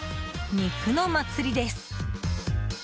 肉の祭です。